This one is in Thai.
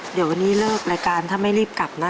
เดี๋ยววันนี้เลิกรายการถ้าไม่รีบกลับนะ